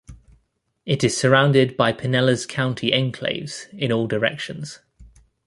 It is surrounded by Pinellas County enclaves in all directions.